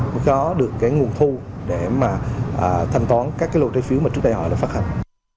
mới có được cái nguồn thu để mà thanh toán các cái lô trái phiếu mà trước đây họ đã phát hành